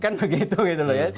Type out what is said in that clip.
kan begitu gitu loh ya